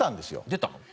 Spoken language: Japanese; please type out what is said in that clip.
出たの？